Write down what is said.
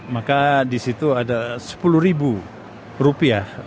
maka disitu ada sepuluh rupiah